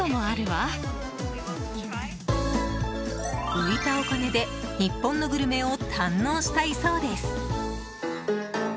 浮いたお金で日本のグルメを堪能したいそうです。